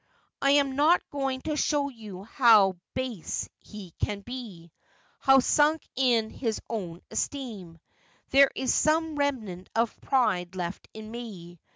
I am not going to show you how base he can be — how sunk in his own esteem. There is some remnant of pride left in me.